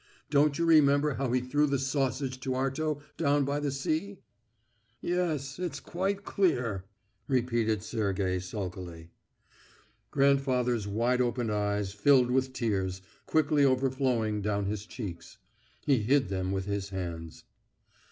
Don't you remember how he threw the sausage to Arto down by the sea?" "Yes, it's quite clear," repeated Sergey sulkily. Grandfather's wide open eyes filled with tears, quickly overflowing down his cheeks. He hid them with his hands.